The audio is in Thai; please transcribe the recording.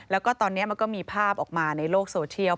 แล้วก็ตอนนี้มันก็มีภาพออกมาในโลกโซเชียล